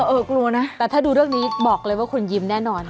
เออกลัวนะแต่ถ้าดูเรื่องนี้บอกเลยว่าคุณยิ้มแน่นอน